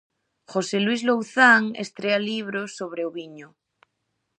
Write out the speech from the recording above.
José Luís Louzán estrea libro sobre o viño.